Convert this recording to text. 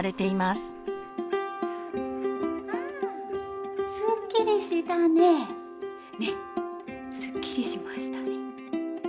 すっきりしましたね！